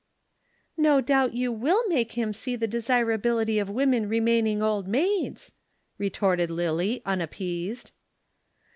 "No doubt you will make him see the desirability of women remaining old maids," retorted Lillie unappeased.